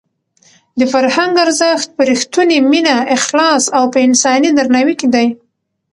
د فرهنګ ارزښت په رښتونې مینه، اخلاص او په انساني درناوي کې دی.